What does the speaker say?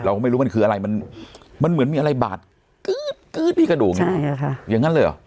ไม่รู้มันคืออะไรมันเหมือนมีอะไรบาดกื๊ดที่กระดูกอย่างนั้นเลยเหรอ